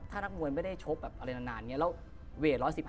ถ้านักมวยไม่ได้ชกอะไรนานแล้วเวท๑๑๕